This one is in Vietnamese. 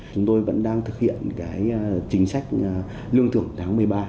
chúng tôi vẫn đang thực hiện chính sách lương thưởng tháng một mươi ba